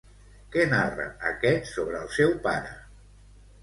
Què narra aquest sobre el seu pare?